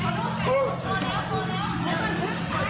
โอ้ยต่อยที่ทะลมเลยอ่ะ